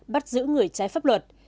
bắt giữ người trái pháp luật